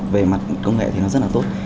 về mặt công nghệ thì nó rất là tốt